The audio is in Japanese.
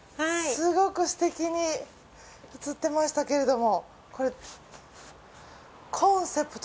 すごくすてきに映ってましたけれども。